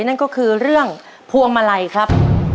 นั่นก็คือเรื่องพวงมาลัยครับ